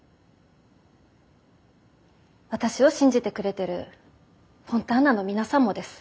私を信じてくれてるフォンターナの皆さんもです。